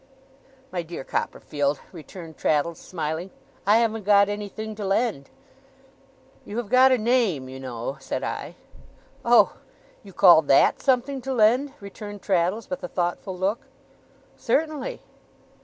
'My dear Copperfield,' returned Traddles, smiling, 'I haven't got anything to lend.' 'You have got a name, you know,' said I. 'Oh! You call THAT something to lend?' returned Traddles, with a thoughtful look. 'Certainly.